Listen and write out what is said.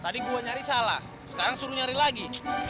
tadi gue nyari salah sekarang suruh nyari lagi